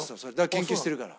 研究してるから。